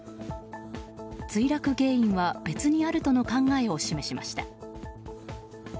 墜落原因は別にあるとの考えを示しました。